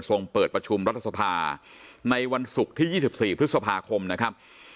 เปิดประชุมรัฐสภาในวันศุกร์ที่๒๔พฤษภาคมนะครับ